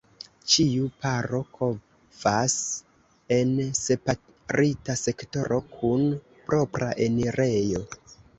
Ĉiu paro kovas en separita sektoro kun propra enirejo.